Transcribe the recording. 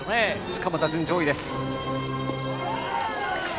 しかも打順は上位です。